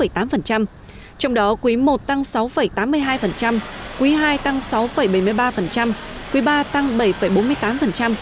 trong đó quý i tăng sáu tám mươi hai quý ii tăng sáu bảy mươi ba quý iii tăng bảy bốn mươi tám